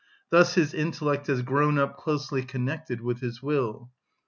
Thus his intellect has grown up closely connected with his will.